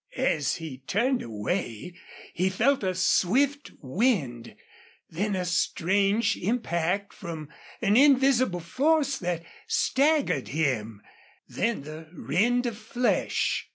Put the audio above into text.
As he turned away he felt a swift wind, then a strange impact from an invisible force that staggered him, then the rend of flesh.